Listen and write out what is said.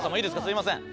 すいません